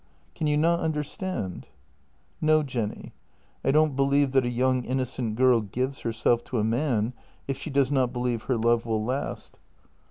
Can you not understand ?"" No, Jenny, I don't believe that a young innocent girl gives herself to a man if she does not believe her love will last."